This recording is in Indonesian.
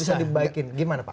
bisa dibaikin gimana pak